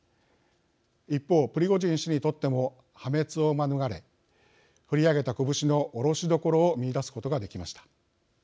一方、プリゴジン氏にとっても破滅を免れ振り上げた拳の下ろしどころを見いだすことができました。